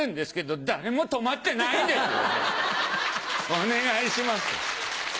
お願いします。